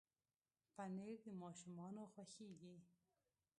پنېر د ماشومانو خوښېږي.